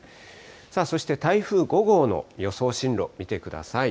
さあ、そして台風５号の予想進路、見てください。